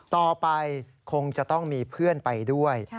ต่อไปคงจะต้องมีเพื่อนไปด้วย